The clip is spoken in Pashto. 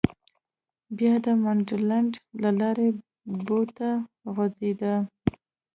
بیا د منډلنډ له لارې بو ته غځېده.